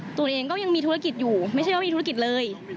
ตัวเองก็ยังมีธุรกิจอยู่ไม่ใช่ว่ามีธุรกิจเลย